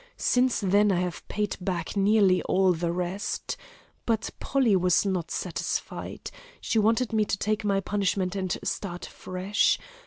Since then, I have paid back nearly all the rest. But Polly was not satisfied. She wanted me to take my punishment and start fresh.